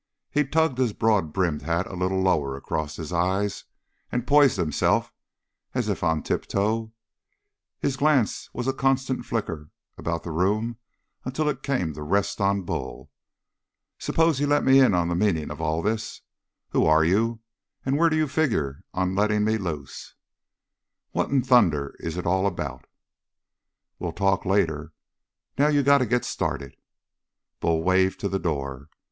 He tugged his broad brimmed hat a little lower across his eyes and poised himself, as if on tiptoe; his glance was a constant flicker about the room until it came to rest on Bull. "Suppose you lemme in on the meaning of all this. Who are you and where do you figure on letting me loose? What in thunder is it all about?" "We'll talk later. Now you got to get started." Bull waved to the door.